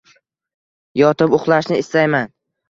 Yotib uxlashni istayman.